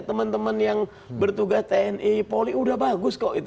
temen temen yang bertugas tni poli udah bagus kok